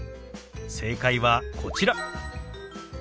正解はこちら。